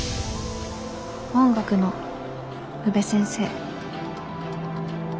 音楽の宇部先生。